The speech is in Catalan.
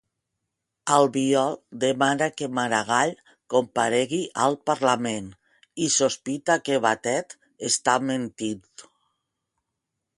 Albiol demana que Maragall comparegui al Parlament i sospita que Batet està mentint.